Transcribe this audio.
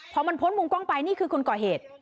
พอมันพ้นมุมกล้องไปนี่คือคนก่อเหตุ